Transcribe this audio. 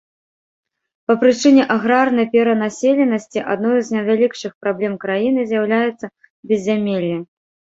Па прычыне аграрнай перанаселенасці адною з найвялікшых праблем краіны з'яўляецца беззямелле.